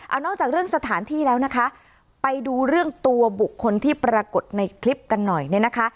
เอานอกจากเรื่องสถานที่แล้วนะคะไปดูเรื่องตัวบุคคลที่ปรากฏในคลิปกันหน่อยเนี่ยนะคะ